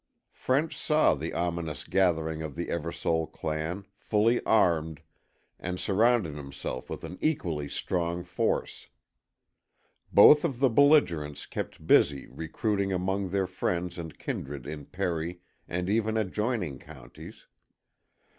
French saw the ominous gathering of the Eversole clan, fully armed, and surrounded himself with an equally strong force. Both of the belligerents kept busy recruiting among their friends and kindred in Perry and even adjoining counties.